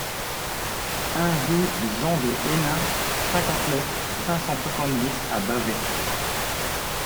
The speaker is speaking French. un rue Jean de Haynin, cinquante-neuf, cinq cent soixante-dix à Bavay